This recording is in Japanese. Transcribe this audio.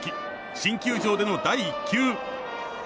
新球場での第１球。